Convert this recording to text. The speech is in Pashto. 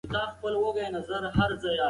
د پښتو ادب معاصره دوره ډېر بریاوې لري.